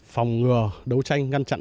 phòng ngừa đấu tranh ngăn chặn